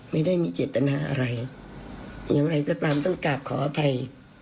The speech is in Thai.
ไม่ได้มีเจตนาอะไรอย่างไรก็ตามต้องกราบขออภัย